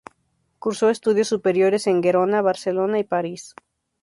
Cursó estudios superiores en Gerona, Barcelona y París.